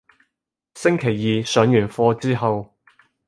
星期二上完課之後